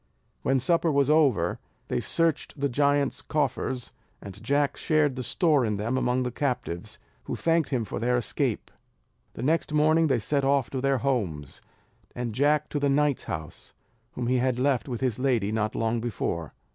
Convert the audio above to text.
When supper was over, they searched the giants' coffers, and Jack shared the store in them among the captives, who thanked him for their escape. The next morning they set off to their homes, and Jack to the knight's house, whom he had left with his lady not long before.